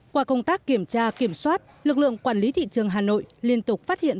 qua công tác kiểm tra kiểm soát lực lượng quản lý thị trường hà nội liên tục phát hiện